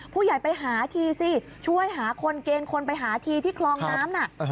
ไปหาทีสิช่วยหาคนเกณฑ์คนไปหาทีที่คลองน้ำน่ะ